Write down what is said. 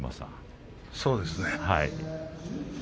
そうですね。